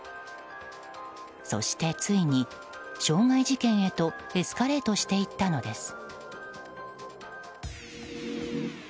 そして、ついに傷害事件へとエスカレートしていったのです。